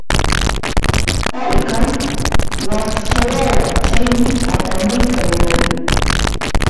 Payqa wakcha wawa, chaymi apamuyta munani.